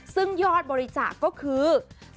ซึ่งยอดบริจาคก็คือ